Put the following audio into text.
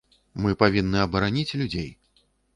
Мы павінны абараніць людзей.